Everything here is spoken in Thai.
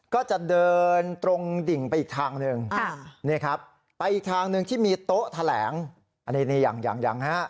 ก็จะเดินตรงดิ่งไปอีกทางหนึ่งไปอีกทางหนึ่งที่มีโต๊ะแถลง